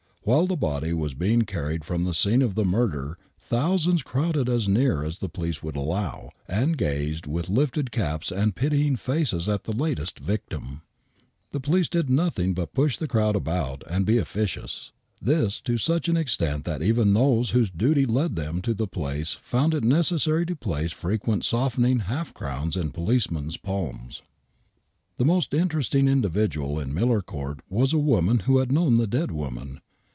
While the body was being carried from the scene of the murder thousands crowded as near as the police would allow, and gazed with Kfted caps and pitying faces at the latest victim. The police did nothing but push the crowd about and be officious — this to such an extent that even those whose duty led them to the place found it necessary to place frequent softening half crowns in policemen's palms. The most interesting individual in Miller Court was a woman who had known the dead woman.